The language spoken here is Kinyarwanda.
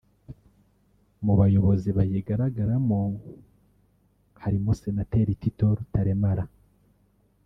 Mu bayobozi bayigaragaramo harimo Senateri Tito Rutaremara